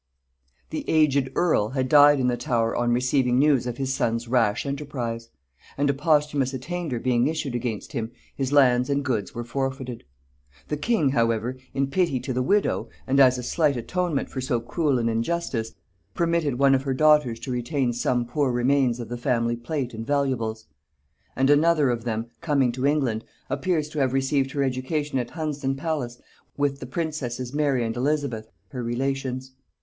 The aged earl had died in the Tower on receiving news of his son's rash enterprise; and a posthumous attainder being issued against him, his lands and goods were forfeited. The king however, in pity to the widow, and as a slight atonement for so cruel an injustice, permitted one of her daughters to retain some poor remains of the family plate and valuables; and another of them, coming to England, appears to have received her education at Hunsdon palace with the princesses Mary and Elizabeth her relations.